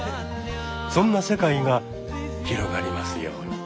そんな世界が広がりますように。